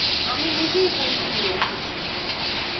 আমি নিজেই বইটি নিয়ে এসেছি।